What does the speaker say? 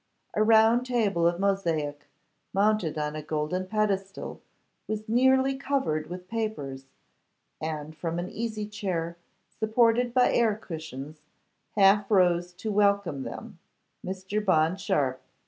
A round table of mosaic, mounted on a golden pedestal, was nearly covered with papers; and from an easy chair, supported by air cushions, half rose to welcome them Mr. Bond Sharpe.